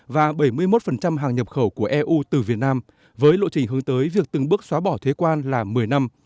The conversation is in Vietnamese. và bảy mươi một hàng nhập khẩu của eu từ việt nam với lộ trình hướng tới việc từng bước xóa bỏ thuế quan là một mươi năm